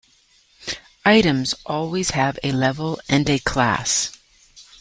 Items always have a level and a class.